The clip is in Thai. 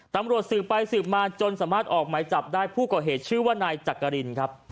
ตำรวจสืบไปสืบมาจนสามารถออกหมายจับได้ผู้ก่อเหตุชื่อว่านายจักรินครับ